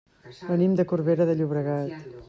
Venim de Corbera de Llobregat.